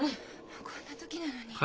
こんな時なのに。